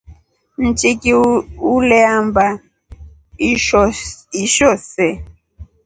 Nchiki uleamba isho see.